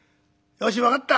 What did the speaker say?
よし分かった」。